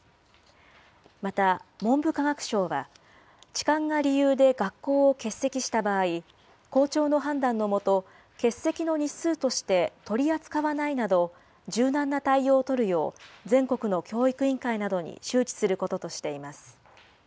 また文部科学省は、痴漢が理由で学校を欠席した場合、校長の判断のもと、欠席の日数として取り扱わないなど、柔軟な対応を取るよう、全国の教育委員会などに周知することとしています。